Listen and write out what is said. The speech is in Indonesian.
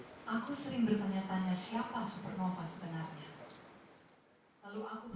aku sering bertanya tanya siapa supernova sebenarnya